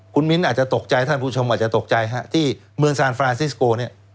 คุณมิ้นอาจจะตกใจท่านผู้ชมอาจจะตกใจฮะที่เมืองซานฟรานซิสโกเนี่ย